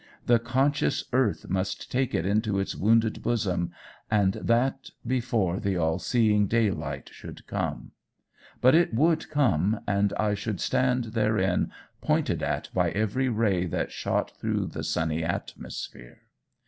The conscious earth must take it into its wounded bosom, and that before the all seeing daylight should come. But it would come, and I should stand therein pointed at by every ray that shot through the sunny atmosphere!